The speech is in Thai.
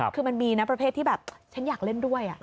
คือมันมีนะประเภทที่แบบฉันอยากเล่นด้วย